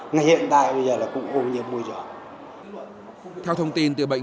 nguy gần đến nhiều bệnh